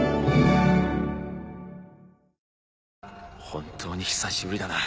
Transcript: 本当に久しぶりだな。